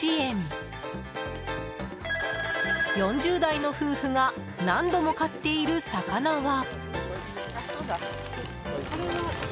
４０代の夫婦が何度も買っている魚は。